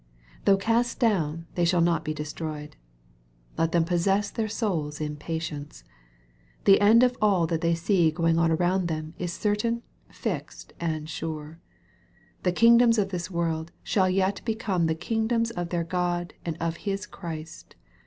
Though cast down, they shall not be destroyed. Let them possess their souls in patience. The end of all that they see going on around them is certain, fixed, and sure. The kingdoms of this world shall yet become the kingdoms of their God and of his Christ.